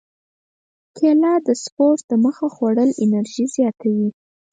کېله د سپورت دمخه خوړل انرژي زیاتوي.